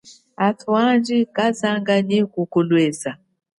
Athu andji kezanga nyi kukulweza.